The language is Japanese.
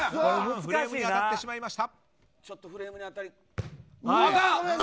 フレームに当たってしまいました。